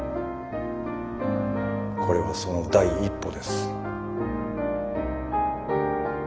これはその第一歩です。